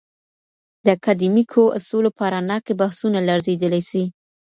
د اکاډمیکو اصولو په رڼا کي بحثونه لړزیدلی سي.